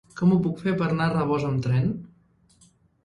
Com ho puc fer per anar a Rabós amb tren?